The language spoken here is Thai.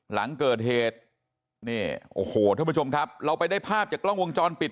หลังเกิดเหตุนี่โอ้โหท่านผู้ชมครับเราไปได้ภาพจากกล้องวงจรปิด